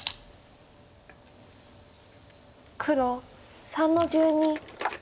黒３の十二。